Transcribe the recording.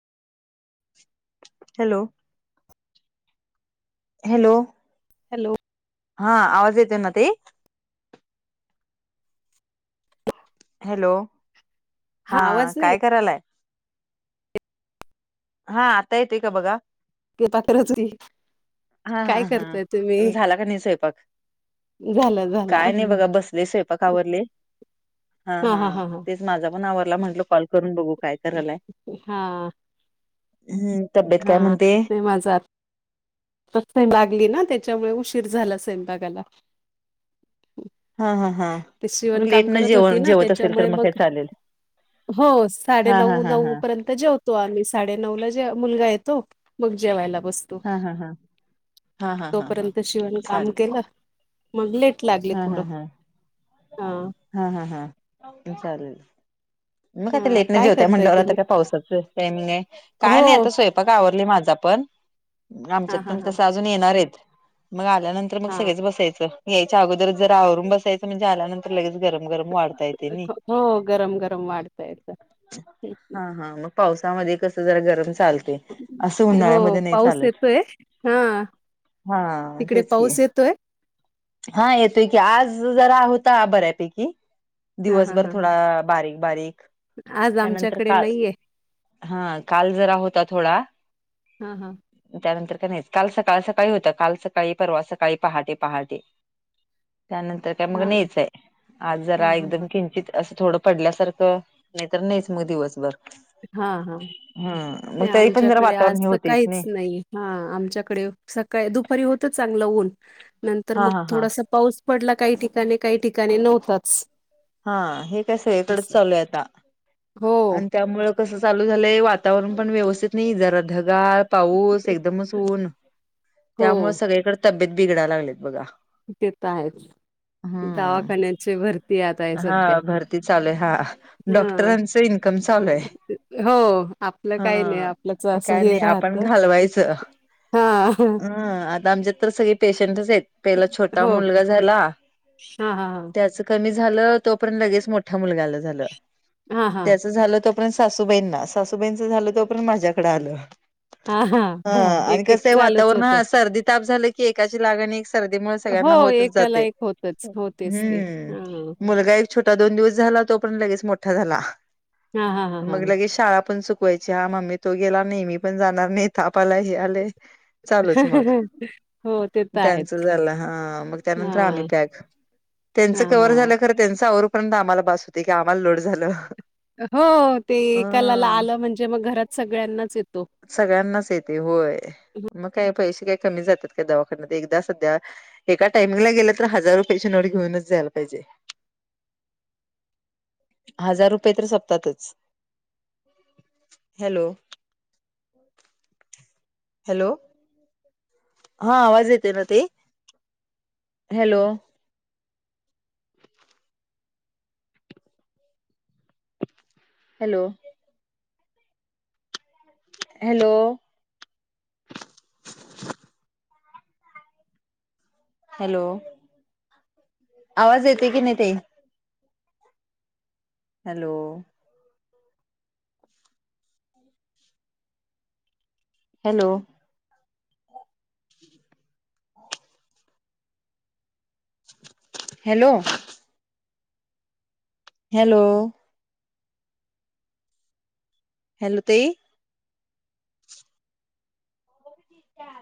Hello hello hello हा आवाज येते ना ते हॅलो हा आवाज नाही काय करायलाय हा आता येते का बघा के पाात्रच की हा हा हा झाला का नाही स्वयंपाक झाला झाला काय नाही बघा बसले स्वयंपाक आवरले हा हा तेच माझा पण आवरला म्हटल कॉल करून बघू काय करायलाय हा हम्म तब्येत काय म्हणते मजात स बागली ना त्याच्यामुळे उशीर झाला सैनबागाला हा हा हा ते मग सिवणकाम लेट न करत होती जेवण ना जेवत असेल तर त्याच्यामुळे काय मग चालेल हो साडे हा हा नऊ हा नऊ हा पर्यंत तर जेवतो आम्ही साडे नऊ ला जे मुलगा येतो मग जेवायला बसतो हा हा हां तोपर्यंत शिवन काम चालेल केलं. मग लेट लागले हा हा थोडं. हा हा हा हा हा चालेल. मग ते हा लेट नाही काय जेवतय करताय म्हटल्यावर आता तुम्ही काय पावसाचं टायमिंग आहे. हो काय नाही आता स्वयंपाक आवरले माझा पण, हा आमच्यात हा पण हा तस अजून येणार आहेत. मग आल्यानंतर मग हा सगळेच बसायचं. यायच्या अगोदर जरा आवरून बसायचं. म्हणजे आल्यानंतर लगेच गरम गरम वाढता येते नाही. हो गरम गरम वाढता येत. हा हा मग पावसामध्ये कस जरा गरम चालते. असं हो उन्हाळ्यामध्ये नाही पाऊस चालत. येतोय हा हा तिकडे तेच की. पाऊस येतोय हा येतोय की. आज जरा होता बऱ्यापैकी. हा हा दिवसभर हा हा थोडा बारीक बारीक. आज त्यानंतर आमच्याकडे काळ नाहीये हा काल जरा होता थोडा हा हा त्यानंतर का नाही. काल सकाळ सकाळी होता. काल सकाळी. परवा सकाळी. पहाटे पहाटे. त्यानंतर काय मग हा नहीच आहे. आज हा जरा हा हा एकदम किंचित असं थोडं पडल्यासारखं नाही तर नाहीच मग दिवसभर. हा हा हम्म मग नाही तरी पण जरा आमच्याकडे आज वातावरण हे तर होतेच काहीच नाही. हा आमच्याकडे सकाळी दुपारी होत चांगलं ऊन. नंतर हा मग हा हा थोडासा पाऊस पडला काही ठिकाणी. काही ठिकाणी नव्हताच. हा हे कसं इकडेच असं चालू आहे आता. हो आणि त्यामुळ कसं चालू झालंय वातावरण पण व्यवस्थित नाही जरा ढगाळ पाऊस एकदमच ऊन, हो त्यामुळे सगळीकडे तब्येत बिघडायला लागलेत बघा. तेेत आहेच. हम्म दवाखान्याची भरती आता आहे हा सध्या भरती चालू आहे हा हा डॉक्टरांच इनकम चालू आहे. हो आपलं काही नाही हा आपल्याच असं काय हे नाही राहत. आपण घालवायचं हा ह आता आमच्यात तर सगळे पेशंटच आहेत. पहिला छोटा हो मुलगा झाला. हां, हां, हां. त्याच कमी झालं तोपर्यंत लगेच मोठ्या मुलगाला झालं. हां, हां. त्याचं झालं तोपर्यंत सासूबाईंना. सासूबाईंचं झालं तोपर्यंत माझ्याकडें आलं. हां, हां. हा आणि एक-एक कसं आहे चालूच वातावरण होतं. ह सर्दी ताप झालं की एकाची लागण सर्दी मुळे सगळ्यांना हो, होतच एकाला जाते. एक होतंच. हो, तेच ते. हां. हम्म मुलगा छोटा दोन दिवस झाला. तो पर्यंत लगेच मोठा झाला. हां, हां, हां, मग लगेच शाळा पण चु कवायची. हा मम्मी तो गेला नाही. मी पण जाणार नाही. ताप आलाय हे आलय. चालूच मग. हां. हो, ते तर आहेच. त्यांच झाल हा मग त्यानंतर आम्ही हां. पॅक त्यांचं हां, कव्हर हां. झालं खरं, त्यांच आवरूपर्यंत आम्हाला बास होती की आम्हाला लोड झालं. हो ते एकालाला अ आलं म्हणजे मग घरात सगळ्यांनाच येतो. सगळ्यांनाच येते होय. मग काय पैसे काय कमी जातात का दवाखान्यात. एकदा सध्या एका टाइमला गेलं तर हजार रुपयाची नोट घेऊनच जायला पाहिजे. हजार रुपये तरी संपतातच. हॅलो हॅलो हा आवाज येतोय ना ताई. हॅलो हॅलो हॅलो हॅलो आवाज येते की नाहीे ताई. Hello hello [unintelligible] hello hello hello तेई